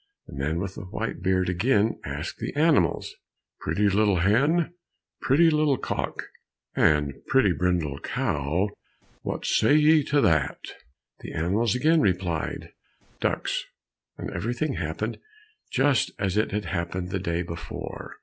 The man with the white beard again asked the animals, "Pretty little hen, Pretty little cock, And pretty brindled cow, What say ye to that?" The animals again replied "Duks," and everything happened just as it had happened the day before.